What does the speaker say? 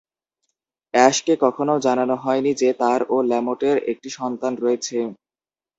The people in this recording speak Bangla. অ্যাশকে কখনও জানানো হয়নি যে, তাঁর ও ল্যামটের একটি সন্তান রয়েছে।